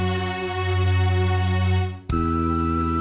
ไม่ใช้ครับไม่ใช้ครับ